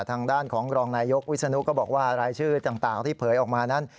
ทางด้านของรองนายยกวิศนุก็บอกว่ารายชื่อต่างที่เผยออกมานั้น